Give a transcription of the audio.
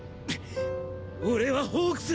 俺はホークス！